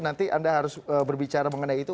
nanti anda harus berbicara mengenai itu